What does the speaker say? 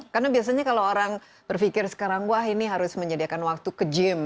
karena biasanya kalau orang berpikir sekarang gue ini harus menyediakan waktu ke gym